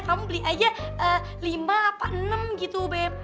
kamu beli aja lima apa enam gitu